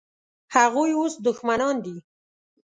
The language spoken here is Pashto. هغوی اوس دښمنان دي.